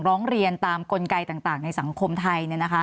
ร้องเรียนตามกลไกต่างในสังคมไทย